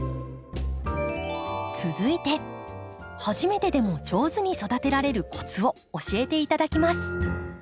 続いて初めてでも上手に育てられるコツを教えて頂きます。